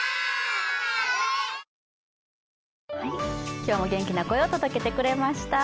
今日も元気な声を届けてくれました。